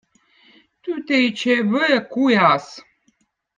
tüütečijä eb õõ kujaz